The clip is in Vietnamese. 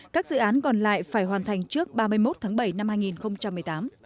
các dự án còn lại phải hoàn thành trước ba mươi một tháng bảy năm hai nghìn một mươi tám